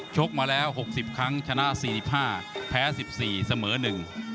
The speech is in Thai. ชกมาแล้ว๖๐ครั้งชนะ๔๕แพ้๑๔เสมอหนึ่ง